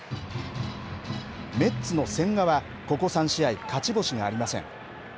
メッツの千賀はここ３試合勝ち星がありません。